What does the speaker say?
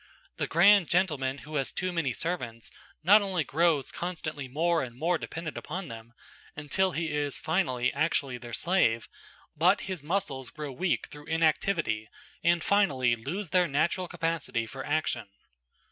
The grand gentleman who has too many servants not only grows constantly more and more dependent upon them, until he is, finally, actually their slave, but his muscles grow weak through inactivity and finally lose their natural capacity for action.